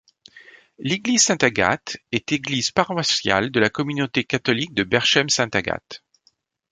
L’église Sainte-Agathe est église paroissiale de la communauté catholique de Berchem-Sainte-Agathe.